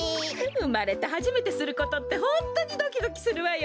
うまれてはじめてすることってホントにドキドキするわよね。